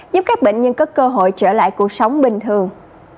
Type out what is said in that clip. giúp các bệnh nhân có cơ hội trở lại cuộc sống bình thường